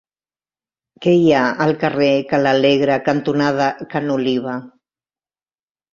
Què hi ha al carrer Ca l'Alegre cantonada Ca n'Oliva?